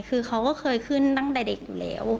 คือเขาก็เคยขึ้นตั้งแต่เด็กอยู่แล้ว